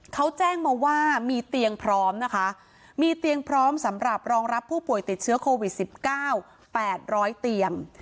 เขาแจ้งมาว่ามีเตียงพร้อมนะคะมีเตียงพร้อมสำหรับรองรับผู้ป่วยติดเชื้อโควิด๑๙๘๐๐เตียง